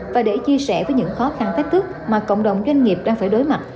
và để chia sẻ với những khó khăn thách thức mà cộng đồng doanh nghiệp đang phải đối mặt